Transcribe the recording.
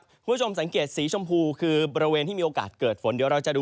คุณผู้ชมสังเกตสีชมพูคือบริเวณที่มีโอกาสเกิดฝน